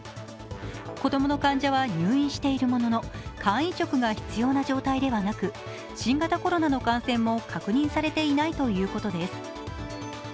子供の患者は入院しているものの肝移植が必要な状態ではなく新型コロナの感染も確認されていないということです。